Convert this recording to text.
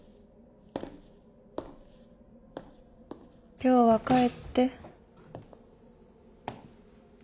今日は帰って。